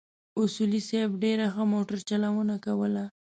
اصولي صیب ډېره ښه موټر چلونه کوله.